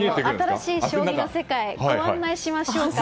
新しい将棋の世界ご案内しましょうか？と。